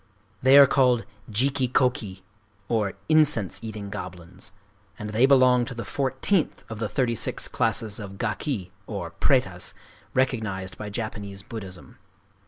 They are called Jiki kō ki, or "incense eating goblins;" and they belong to the fourteenth of the thirty six classes of Gaki (prêtas) recognized by Japanese Buddhism.